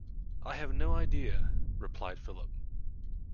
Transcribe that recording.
I have no idea, replied Philip.